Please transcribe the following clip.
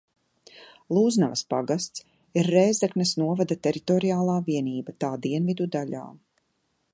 Lūznavas pagasts ir Rēzeknes novada teritoriāla vienība tā dienvidu daļā.